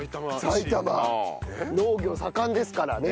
埼玉農業盛んですからね。